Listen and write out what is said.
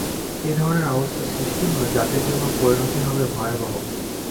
এ ধরনের অবস্থা সৃষ্টি হলে জাতির জন্য পরিণতি হবে ভয়াবহ।